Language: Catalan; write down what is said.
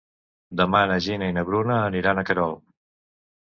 Demà na Gina i na Bruna aniran a Querol.